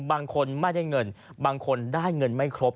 บางคนไม่ได้เงินบางคนได้เงินไม่ครบ